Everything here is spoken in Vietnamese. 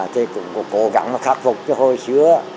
thì cũng cố gắng khắc phục cho hồi xưa